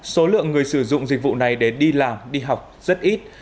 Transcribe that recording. số lượng người sử dụng dịch vụ này để đi làm đi học rất ít